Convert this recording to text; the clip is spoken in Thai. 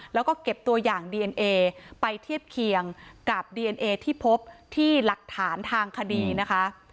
แล้วก็เก็บตัวอย่างดีเอนเอไปเทียบเคียงกับดีเอนเอที่พบที่หลักฐานทางคดีนะคะ